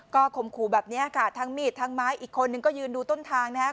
ก็ข่มขู่แบบนี้ค่ะทั้งมีดทั้งไม้อีกคนนึงก็ยืนดูต้นทางนะฮะ